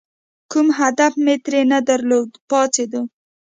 کوم هدف مې ترې نه درلود، پاڅېدو.